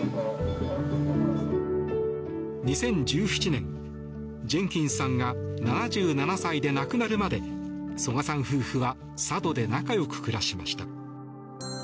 ２０１７年ジェンキンスさんが７７歳で亡くなるまで曽我さん夫婦は佐渡で仲良く暮らしました。